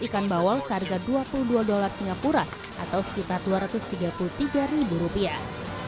ikan bawal seharga dua puluh dua dolar singapura atau sekitar dua ratus tiga puluh tiga ribu rupiah